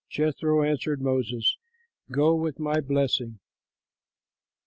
Jethro answered Moses, "Go, with my blessing."